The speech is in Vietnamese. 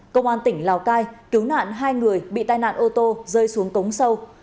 công an tỉnh lào cai cứu nạn hai người bị tai nạn ô tô rơi xuống cống sâu